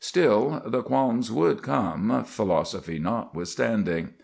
Still, the qualms would come, philosophy notwithstanding.